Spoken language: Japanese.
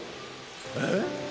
えっ！？